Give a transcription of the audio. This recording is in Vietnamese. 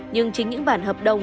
nhưng chính những bản hợp đồng